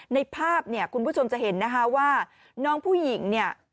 ในภาพคุณผู้ชมจะเห็นว่าน้องผู้หญิง